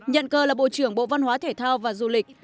nhận cờ là bộ trưởng bộ văn hóa thể thao và du lịch